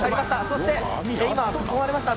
そして今囲われました。